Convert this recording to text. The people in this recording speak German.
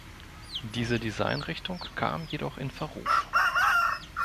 Diese Designrichtung kam jedoch in Verruf.